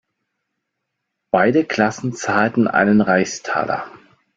Beide Klassen zahlten einen Reichstaler.